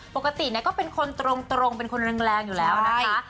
ปกติก็เป็นคนตรงเป็นคนแรงอยู่แล้วนะคะ